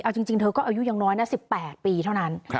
เอาจริงเธอก็อายุยังน้อยนะ๑๘ปีเท่านั้น